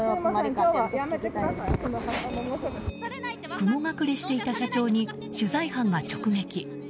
雲隠れしていた社長に取材班が直撃。